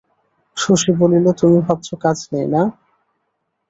শশী বলিল, তুমি ভাবছ কাজ নেই, না?